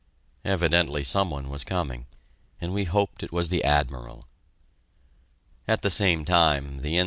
Evidently some one was coming, and we hoped it was "the Admiral." At the same time, the N.